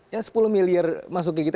ya sepuluh miliar masuk ke kita